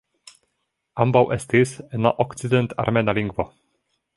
Ambaŭ estis en la okcident-armena lingvo.